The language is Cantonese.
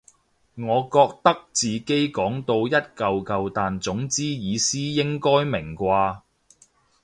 我覺得自己講到一嚿嚿但總之意思應該明啩